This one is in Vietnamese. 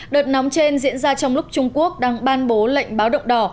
đợt nóng trên diễn ra trong lúc trung quốc đang ban bố lệnh báo động đỏ